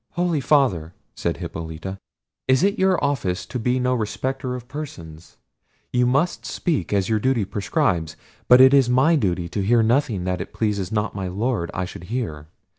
"Holy Father," said Hippolita, "it is your office to be no respecter of persons: you must speak as your duty prescribes: but it is my duty to hear nothing that it pleases not my Lord I should hear.